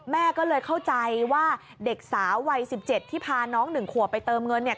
แม่ก็เลยเข้าใจว่าเด็กสาววัย๑๗ที่พาน้อง๑ขวบไปเติมเงินเนี่ย